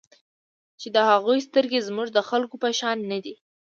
چې د هغوی سترګې زموږ د خلکو په شان نه دي.